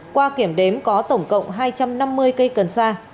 qua kiểm đếm có tổng cộng hai trăm năm mươi cây cần sa